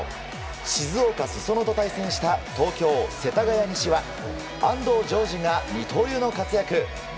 静岡・裾野と対戦した東京・世田谷西は安藤丈二が二刀流の活躍。